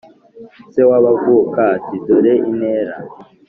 Se w' abavuka ati "dore intera".